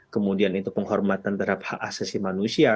kemudian itu penghormatan terhadap hak asasi manusia